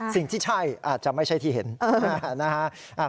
สิ่งที่ใช่อาจจะไม่ใช่ที่เห็นนะฮะ